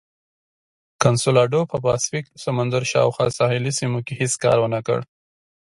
کنسولاډو په پاسفیک سمندر شاوخوا ساحلي سیمو کې هېڅ کار ونه کړ.